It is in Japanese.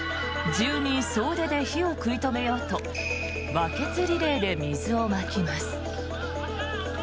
住民総出で火を食い止めようとバケツリレーで水をまきます。